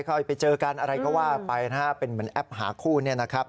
ค่อยไปเจอกันอะไรก็ว่าไปเป็นแอปหาคู่นี่นะครับ